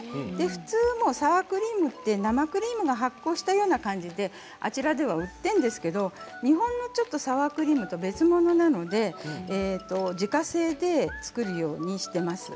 普通はサワークリームって生クリームが発酵したような感じであちらでは売っているんですけれど日本のサワークリームと別物なので自家製で作るようにしています。